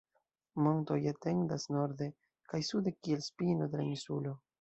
Montoj etendas norde kaj sude kiel spino de la insulo.